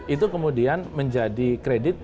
itu kemudian menjadi kredit